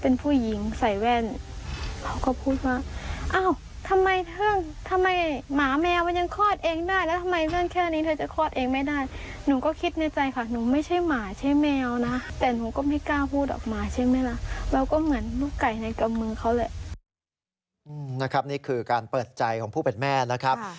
นี่คือการเปิดใจของผู้เป็นแม่นะครับ